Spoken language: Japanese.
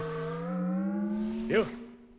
よっ！